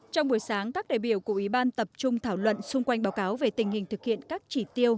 trong buổi sáng các đại biểu của ủy ban tập trung thảo luận xung quanh báo cáo về tình hình thực hiện các chỉ tiêu